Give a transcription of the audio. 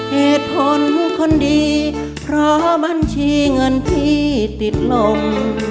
เหตุผลคนดีเพราะบัญชีเงินที่ติดลม